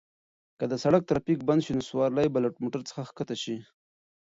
که د سړک ترافیک بند شي نو سوارلۍ به له موټر څخه کښته شي.